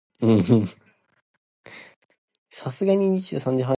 大型基础模型的研究突破，极大地推动了语音处理技术的发展。